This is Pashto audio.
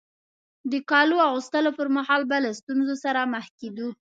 د کالو اغوستلو پر مهال به له ستونزو سره مخ کېدو.